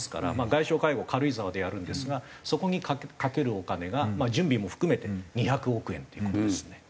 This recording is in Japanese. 外相会合軽井沢でやるんですがそこにかけるお金が準備も含めて２００億円という事ですね。